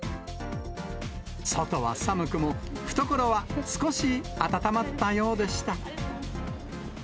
外は寒くも、懐は少しあたたまったようでした。